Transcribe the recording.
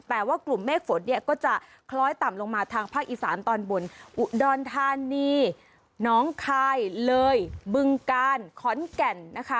แต่ว่ากลุ่มเมฆฝนเนี่ยก็จะคล้อยต่ำลงมาทางภาคอีสานตอนบนอุดรธานีน้องคายเลยบึงกาลขอนแก่นนะคะ